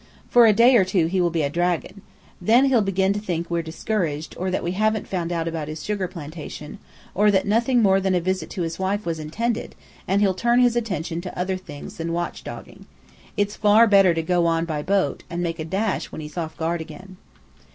For a day or two he will be a dragon. Then he'll begin to think we're discouraged, or that we haven't found out about his sugar plantation, or that nothing more than a visit to his wife was intended, and he'll turn his attention to other things than watch dogging. It's far better to go on by boat, and make a dash when he's off guard again."